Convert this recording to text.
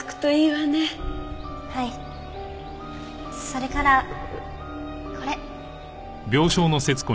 それからこれ。